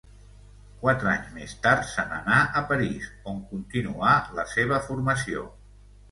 Quatre anys més tard se n'anà a París, on continuà la seva formació.